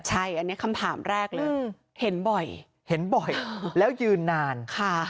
ใช่อันนี้คำถามแรกเลยเห็นบ่อยเห็นบ่อยแล้วยืนนานค่ะ